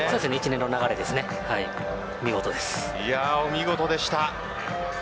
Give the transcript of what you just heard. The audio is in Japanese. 見事でした。